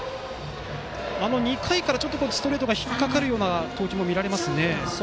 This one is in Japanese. ２回からストレートが引っかかるような投球も見られますね。